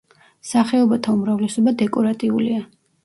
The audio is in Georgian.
სახეობათა უმრავლესობა დეკორატიულია.